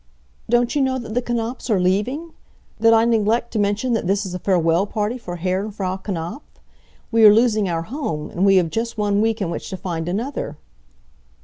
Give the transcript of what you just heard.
"Don't you know that the Knapfs are leaving? Did I neglect to mention that this is a farewell party for Herr and Frau Knapf? We are losing our home, and we have just one week in which to find another."